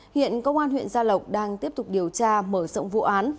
hiện công an huyện gia lộc đang tiếp tục điều tra mở rộng vụ án